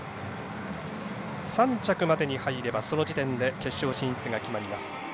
３着までに入ればその時点で決勝進出が決まります。